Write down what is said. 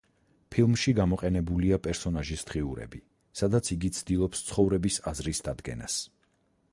ფილმში გამოყენებულია პერსონაჟის დღიურები, სადაც იგი ცდილობს ცხოვრების აზრის დადგენას.